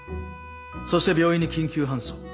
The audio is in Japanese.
そして病院に緊急搬送。